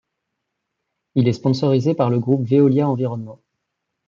Il est sponsorisé par le groupe Veolia Environnement.